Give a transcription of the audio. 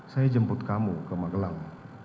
saya jemput kamu ke magelang